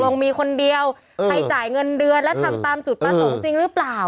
ลงมีคนเดียวใครจ่ายเงินเดือนแล้วทำตามจุดประสงค์จริงหรือเปล่า